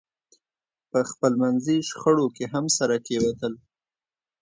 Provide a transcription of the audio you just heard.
په خپلمنځي شخړو کې هم سره کېوتل.